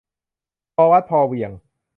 พอวัดพอเหวี่ยง